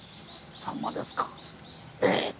「さんまですか？え⁉」。